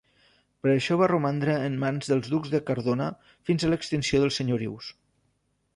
Per això va romandre en mans dels Ducs de Cardona fins a l'extinció dels senyorius.